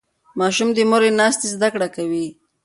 ماشوم د مور له ناستې زده کړه کوي.